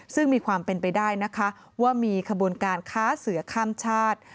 ซึ่งมีความเป็นไปได้นะคะว่ามีขบวนการค้าเสือข้ามชาติ